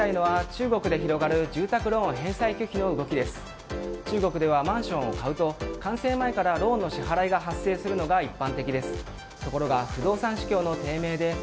中国ではマンションを買うと完成前からローンの支払いが発生するのが一般的です。